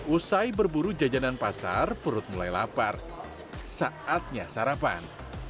usai berburu jajanan pasar perut mulai lapar saatnya sarapan